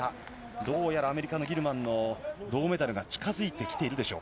どうやらアメリカのギルマンの銅メダルが近づいてきているでしょ